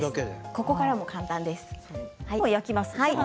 これからも簡単です。